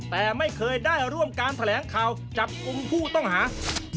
แต่ไม่เคยได้ร่วมการแถลงข่าวจับกลุ่มผู้ต้องหา